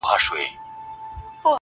درې ملګري وه یو علم بل عزت وو!